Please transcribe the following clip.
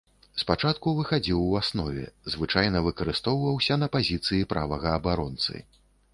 Спачатку выхадзіў у аснове, звычайна выкарыстоўваўся на пазіцыі правага абаронцы.